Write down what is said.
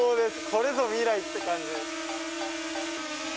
これぞ、未来って感じです。